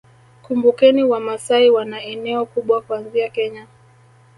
Kumbukeni Wamasai wana eneo kubwa kuanzia Kenya